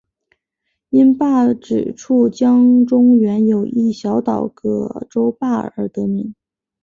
因坝址处江中原有一小岛葛洲坝而得名。